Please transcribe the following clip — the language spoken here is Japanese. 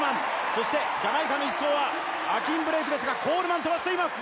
そして、ジャマイカの１走はアキーム・ブレイクですがコールマン、飛ばしています。